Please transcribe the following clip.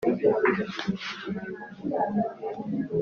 iyo injangwe iri kure, imbeba zizakina.